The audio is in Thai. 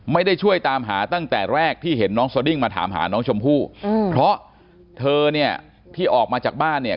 ไม่ได้ช่วยตามหาตั้งแต่แรกที่เห็นน้องสดิ้งมาถามหาน้องชมพู่เพราะเธอเนี่ยที่ออกมาจากบ้านเนี่ย